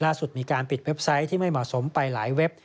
ล่าสุดมีการปิดเว็บไซต์ที่ไม่เหมาะสมไปหลายเว็บ